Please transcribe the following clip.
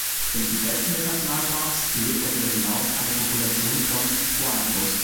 Im Südwesten des Nationalparks lebt darüber hinaus eine Population von Guanakos.